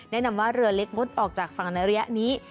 แนะนำว่าเรือเล็กงดออกจากฝั่งในระยะนี้